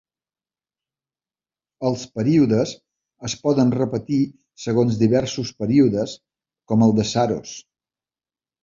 Els períodes es poden repetir segons diversos períodes, com el de Saros.